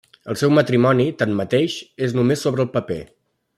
El seu matrimoni, tanmateix, és només sobre el paper.